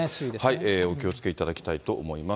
お気をつけいただきたいと思います。